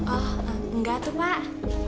oh nggak tuh pak